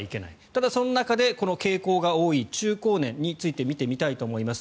ただ、その中で傾向が多い中高年について見てみたいと思います。